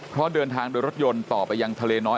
เพราะเดินทางโดยรถยนต์ต่อไปยังทะเลน้อย